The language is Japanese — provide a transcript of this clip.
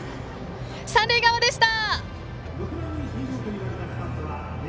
三塁側でした！